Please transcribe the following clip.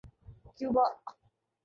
Cuba